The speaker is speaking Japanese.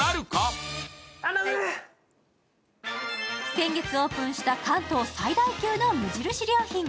先月オープンした関東最大級の無印良品。